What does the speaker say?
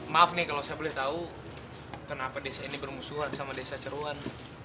maaf nih kalau saya boleh tahu kenapa desa ini bermusuhan sama desa ceruan